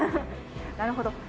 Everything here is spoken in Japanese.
なるほど。